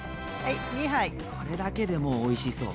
これだけでもうおいしそう。